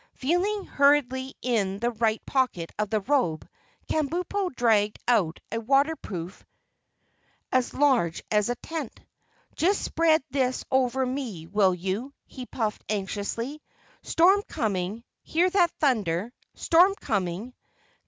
Feeling hurriedly in the right pocket of his robe, Kabumpo dragged out a waterproof as large as a tent. "Just spread this over me, will you?" he puffed anxiously. "Storm coming. Hear that thunder? Storm coming."